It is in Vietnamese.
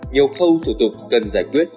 nhiều câu thủ tục cần giải quyết